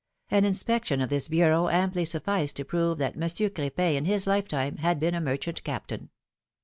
An in spection of this bureau amply sufSced to prove that Mon sieur Cr6pin in his lifetime had been a merchant captain.